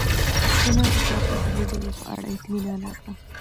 د نغدو پیسو د لېږلو په اړه اطمینان راکړه